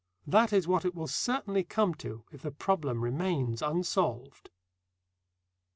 That is what it will certainly come to if the problem remains unsolved.